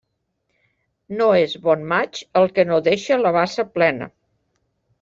No és bon maig el que no deixa la bassa plena.